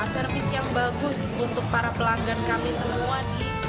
servis yang bagus untuk para pelanggan kami semua